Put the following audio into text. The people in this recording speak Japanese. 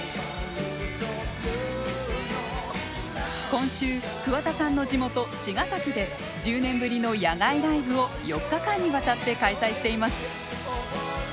今週桑田さんの地元・茅ヶ崎で１０年ぶりの野外ライブを４日間にわたって開催しています。